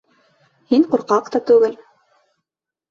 Һин ҡурҡаҡ та түгел.